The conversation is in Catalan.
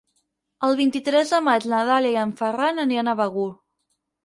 El vint-i-tres de maig na Dàlia i en Ferran aniran a Begur.